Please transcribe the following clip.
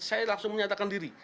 saya langsung menyatakan diri